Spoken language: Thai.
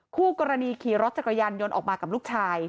คู่กรณีขี่รถจักรยานยนต์ออกมากับลูกชาย